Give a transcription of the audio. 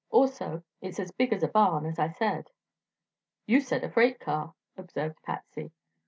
Also it's as big as a barn, as I said." "You said a freight car," observed Patsy.